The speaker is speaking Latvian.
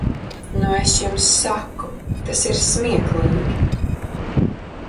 Nu es jums saku, tas ir smieklīgi.